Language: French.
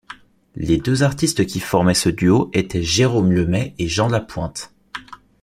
Les deux artistes qui formaient ce duo étaient Jérôme Lemay et Jean Lapointe.